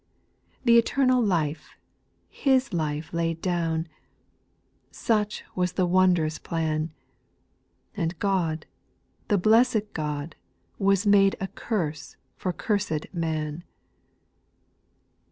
4. . Th' eternal Life His life laid down, — Such was the wondrous plan, — And God, the blessed God, was made A curse for cursed man.